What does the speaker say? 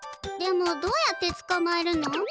でもどうやってつかまえるの？